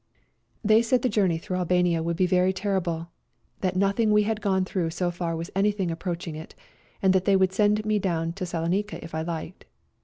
They said the journey through Albania would A COLD NIGHT RIDE 91 be very terrible, that nothing we had gone through so far was anything approaching it, and that they would send me down to Salonica if I liked.